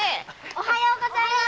おはようございます！